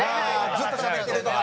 ずっとしゃべってるとか。